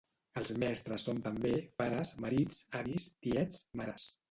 Els mestres són també pares, marits, avis, tiets, mares.